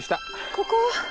ここ？